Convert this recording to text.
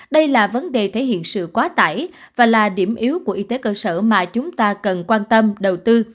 đây là vấn đề thể hiện sự quá tải và là điểm yếu của y tế cơ sở mà chúng ta cần quan tâm đầu tư